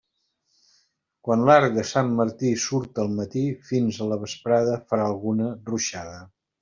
Quan l'arc de Sant Martí surt al matí, fins a la vesprada farà alguna ruixada.